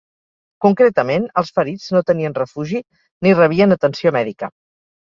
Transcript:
Concretament, els ferits no tenien refugi ni rebien atenció mèdica.